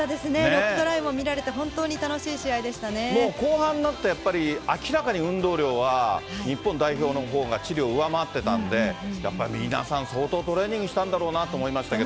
６トライも見られて、後半になって、やっぱり明らかに運動量は日本代表のほうがチリを上回ってたんで、やっぱり皆さん、相当トレーニングしたんだろうなと思いましたけ